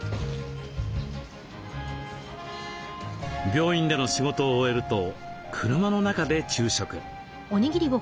病院での仕事を終えると車の中で昼食。